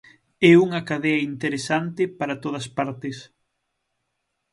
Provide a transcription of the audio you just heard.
É unha cadea interesante para todas partes.